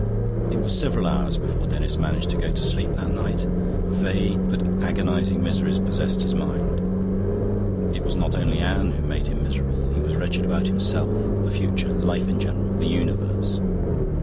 It was several hours before Denis managed to go to sleep that night. Vague but agonising miseries possessed his mind. It was not only Anne who made him miserable; he was wretched about himself, the future, life in general, the universe.